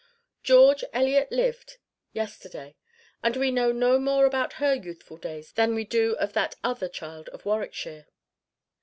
George Eliot lived yesterday, and we know no more about her youthful days than we do of that other child of Warwickshire.